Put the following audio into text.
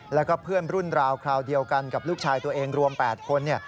แล้วก็เพื่อนรุ่นราวคราวเดียวกันกับลูกชายตัวเองรวม๘คน